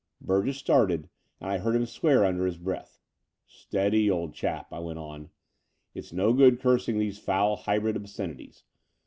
Burgess started, and I heard him swear under his breath. "Steady, old chap," I went on; it's no good cursing these foul hybrid obscenities.